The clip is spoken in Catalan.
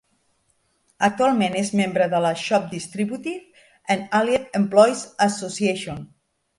Actualment és membre de la Shop Distributive and Allied Employees Association.